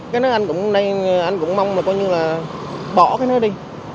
cái đó anh cũng mong là bỏ cái đó đi